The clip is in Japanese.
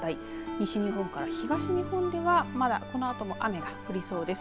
西日本から東日本ではまだこのあとも雨が降りそうです。